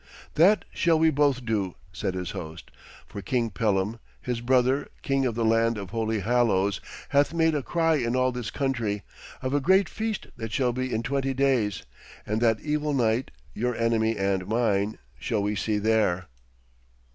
'That shall we both do,' said his host. 'For King Pellam, his brother, king of the land of Holy Hallows, hath made a cry in all this country, of a great feast that shall be in twenty days, and that evil knight, your enemy and mine, shall we see there.'